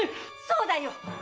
そうだよ！